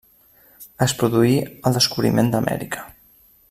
Es produí el descobriment d'Amèrica.